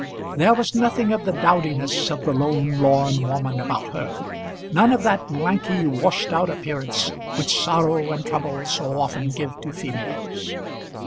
There was nothing of the dowdiness of the lone lorn woman about her, none of that lanky, washed out appearance which sorrow and trouble so often give to females.